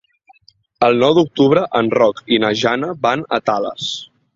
El nou d'octubre en Roc i na Jana van a Tales.